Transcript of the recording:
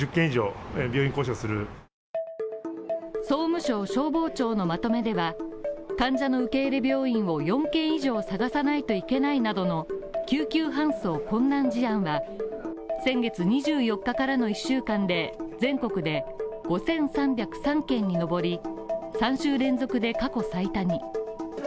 総務省消防庁のまとめでは、患者の受け入れ病院を４件以上を探さないといけないなどの救急搬送困難事案は先月２４日からの１週間で、全国で５３０３件に上り、３週連続で過去最多に。